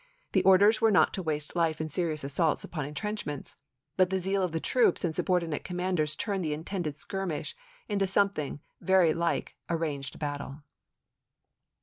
The orders were not to waste life in serious assaults upon intrenchments ; but the zeal of the troops and subordinate commanders turned the intended Jac£x,D* skirmish into something very like a ranged battle."